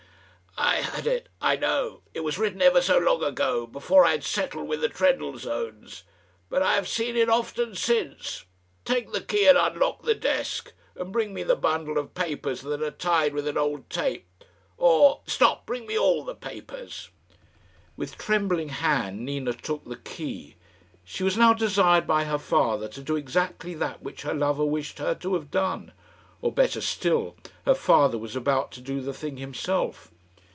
"I had it, I know. It was written ever so long ago before I had settled with the Trendellsohns; but I have seen it often since. Take the key and unlock the desk, and bring me the bundle of papers that are tied with an old tape; or stop bring me all the papers." With trembling hand Nina took the key. She was now desired by her father to do exactly that which her lover wished her to have done; or, better still, her father was about to do the thing himself.